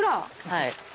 はい。